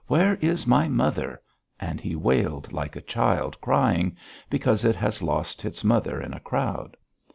Where is my mother?" and he wailed like a child crying, because it has lost its mother in a crowd.